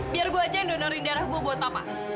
biar gue aja yang donorin darah gue buat apa